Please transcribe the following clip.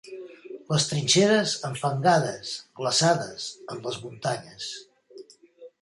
Les trinxeres enfangades, glaçades, en les muntanyes.